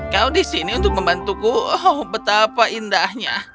kau di sini untuk membantuku betapa indahnya